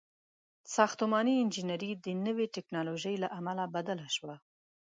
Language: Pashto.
• ساختماني انجینري د نوې ټیکنالوژۍ له امله بدله شوه.